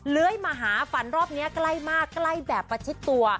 เลื้อยมาหาฝันรอบนี้ใกล้มากใกล้แบบประชิดตัว